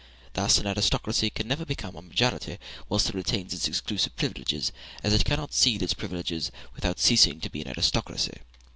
Thus, an aristocracy can never become a majority whilst it retains its exclusive privileges, and it cannot cede its privileges without ceasing to be an aristocracy.